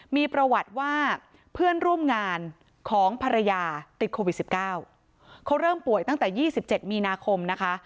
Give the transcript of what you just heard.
มีประวัติว่าเพื่อนร่วมงานของภรรยาติดโควิด๑๙เขาเริ่มป่วยตั้งแต่๒๗มีนาคมนะคะ